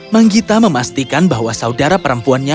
manggita memastikan bahwa saudara perempuannya